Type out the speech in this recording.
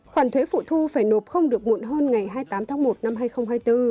khoản thuế phụ thu phải nộp không được muộn hơn ngày hai mươi tám tháng một năm hai nghìn hai mươi bốn